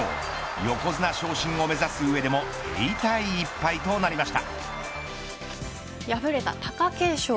横綱昇進を目指す上でも手痛い１敗となりました。